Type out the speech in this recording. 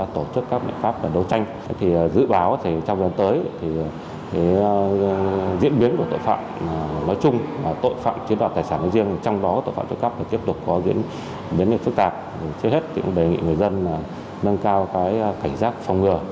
trước diễn biến phức tạp đề nghị người dân nâng cao cảnh giác phòng ngừa